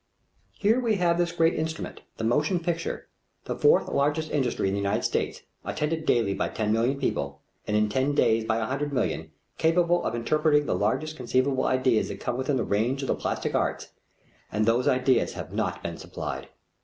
Here we have this great instrument, the motion picture, the fourth largest industry in the United States, attended daily by ten million people, and in ten days by a hundred million, capable of interpreting the largest conceivable ideas that come within the range of the plastic arts, and those ideas have not been supplied.